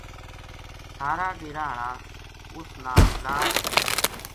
سارا ڈیرا ہالا اس نال لاڈ کرے تھا